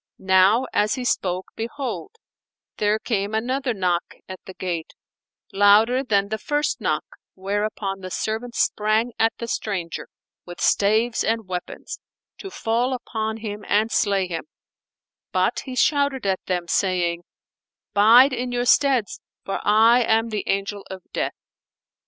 Now as he spoke, behold, there came another knock at the gate, louder than the first knock, whereupon the servants sprang at the stranger with staves and weapons, to fall upon him and slay him; but he shouted at them, saying, "Bide in your steads, for I am the Angel of Death."